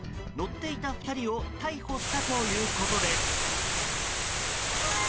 乗っていた２人を逮捕したということです。